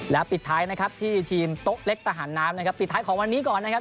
แล้วปิดท้ายนะครับที่ทีมโต๊ะเล็กทหารน้ำนะครับปิดท้ายของวันนี้ก่อนนะครับ